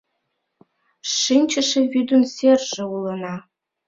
Шинчыше вӱдын серже улына.